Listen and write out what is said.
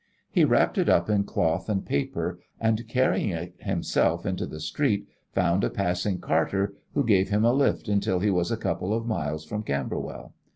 He wrapped it up in cloth and paper, and, carrying it himself into the street, found a passing carter, who gave him a lift until he was a couple of miles from Camberwell.